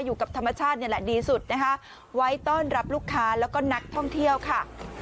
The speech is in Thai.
อยู่กับธรรมชาตินี่แหละดีสุดนะคะไว้ต้อนรับลูกค้าแล้วก็นักท่องเที่ยวค่ะ